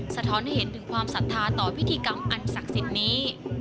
สะท้อนให้เห็นถึงความศรัทธาต่อพิธีกรรมอันศักดิ์สิทธิ์นี้